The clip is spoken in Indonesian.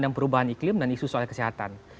dan perubahan iklim dan isu soal kesehatan